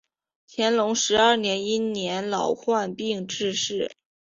乾隆十二年因年老患病致仕。